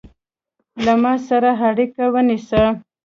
له ما سره اړیکه ونیسه